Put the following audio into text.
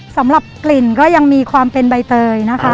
สำหรับกลิ่นก็ยังมีความเป็นใบเตยนะคะ